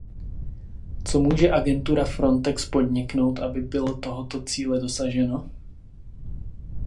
Co může agentura Frontex podniknout, aby bylo tohoto cíle dosaženo?